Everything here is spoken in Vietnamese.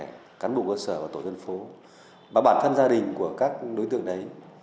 các cán bộ cơ sở của tổ dân phố và bản thân gia đình của các đối tượng đấy